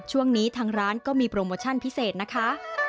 ทางร้านก็มีโปรโมชั่นพิเศษนะคะ